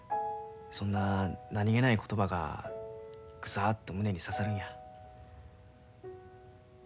そんな何気ない言葉がグサッと胸に刺さるんや。